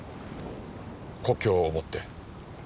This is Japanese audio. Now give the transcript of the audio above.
故郷を思って。